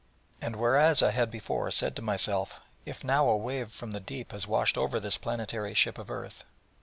And whereas I had before said to myself: 'If now a wave from the Deep has washed over this planetary ship of earth...